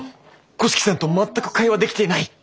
五色さんと全く会話できていない！